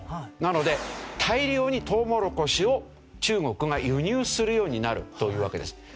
なので大量にトウモロコシを中国が輸入するようになるというわけです。